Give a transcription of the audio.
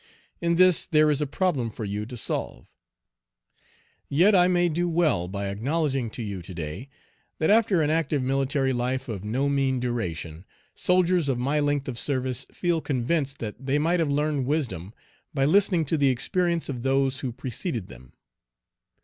In this there is a problem for you to solve. Yet I may do well by acknowledging to you, to day, that after an active military life of no mean duration, soldiers of my length of service feel convinced that they might have learned wisdom by listening to the experience of those who preceded them.